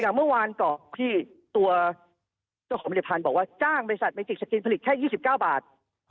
เมื่อวานเกาะที่ตัวเจ้าของผลิตภัณฑ์บอกว่าจ้างบริษัทเมจิกสกินผลิตแค่๒๙บาท